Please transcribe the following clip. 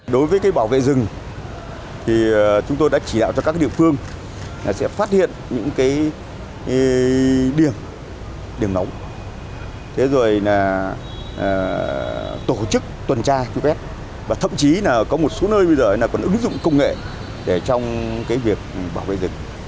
đối với bảo vệ rừng chúng tôi đã chỉ đạo cho các địa phương sẽ phát hiện những điểm nóng tổ chức tuần tra và thậm chí có một số nơi bây giờ còn ứng dụng công nghệ trong việc bảo vệ rừng